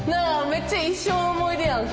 めっちゃ一生の思い出やん